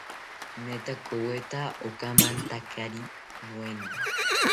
Netakoweta okamantakari noena